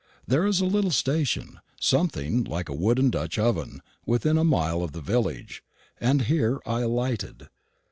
There is a little station, something like a wooden Dutch oven, within a mile of the village; and here I alighted.